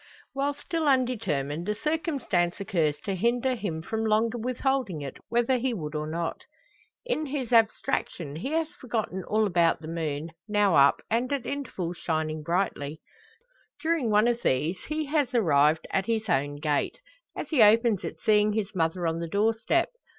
While still undetermined, a circumstance occurs to hinder him from longer withholding it, whether he would or not. In his abstraction he has forgotten all about the moon, now up, and at intervals shining brightly. During one of these he has arrived at his own gate, as he opens it seeing his mother on the door step.